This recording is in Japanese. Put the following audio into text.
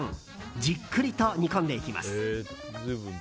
じっくりと煮込んでいきます。